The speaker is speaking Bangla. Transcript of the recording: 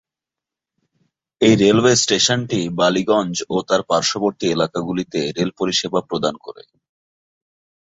এই রেলওয়ে স্টেশনটি বালিগঞ্জ ও তার পার্শ্ববর্তী এলাকাগুলিতে রেল পরিষেবা প্রদান করে।